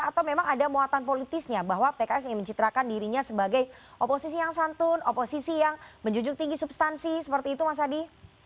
atau memang ada muatan politisnya bahwa pks ingin mencitrakan dirinya sebagai oposisi yang santun oposisi yang menjujuk tinggi substansi seperti itu mas adi